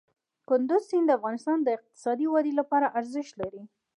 کندز سیند د افغانستان د اقتصادي ودې لپاره ارزښت لري.